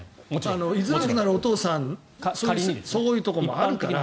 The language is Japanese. いづらくなるお父さんそういうところもあるから。